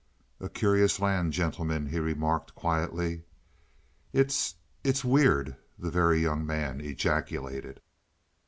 "A curious land, gentlemen," he remarked quietly. "It's it's weird," the Very Young Man ejaculated.